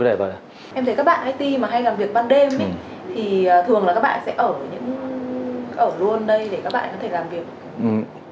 thì thường là các bạn sẽ ở luôn đây để các bạn có thể làm việc